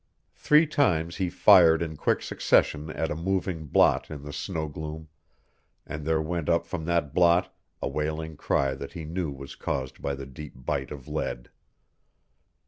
Three times he fired in quick succession at a moving blot in the snow gloom, and there went up from that blot a wailing cry that he knew was caused by the deep bite of lead.